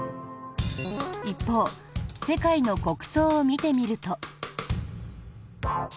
一方世界の国葬を見てみると。